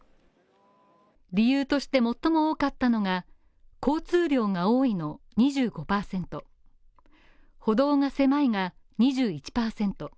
理由として最も多かったのが、交通量が多いの２５％歩道が狭いが２１％。